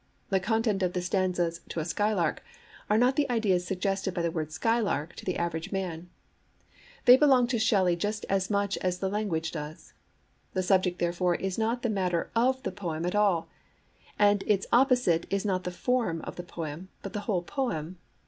The contents of the stanzas To a Skylark are not the ideas suggested by the word 'skylark' to the average man; they belong to Shelley just as much as the language does. The subject, therefore, is not the matter of the poem at all; and its opposite is not the form of the poem, but the whole poem.